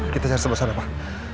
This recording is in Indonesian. kita cari sebelah sana pak